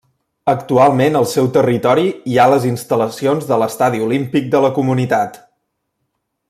Actualment al seu territori hi ha les instal·lacions de l'Estadi Olímpic de la Comunitat.